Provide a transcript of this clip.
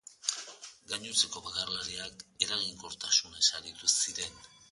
Gainontzeko bakarlariak eraginkortasunez aritu ziren.